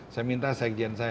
saya minta sekjen saya